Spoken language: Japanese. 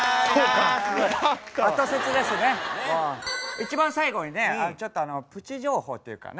一番最後にねちょっとプチ情報っていうかね。